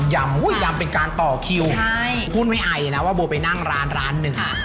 ยำเป็นการต่อคิวพูดไม่ไอนะว่าโบไปนั่งร้านร้านหนึ่ง